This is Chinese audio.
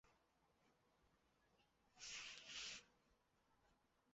安徽歙县人。